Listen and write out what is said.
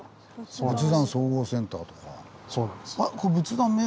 「仏壇総合センター」とか。